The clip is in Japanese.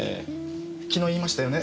昨日言いましたよね？